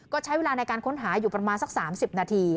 ก็ใช้เวลาในการค้นหาอยู่ประมาณสัก๓๐นาที